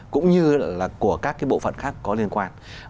cũng như là của các cái bộ phận khác có liên quan